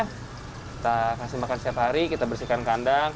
kita kasih makan setiap hari kita bersihkan kandang